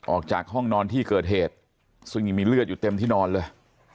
ออกจากห้องนอนที่เกิดเหตุซึ่งยังมีเลือดอยู่เต็มที่นอนเลย